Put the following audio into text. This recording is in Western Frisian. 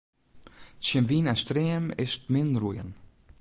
Tsjin wyn en stream is 't min roeien.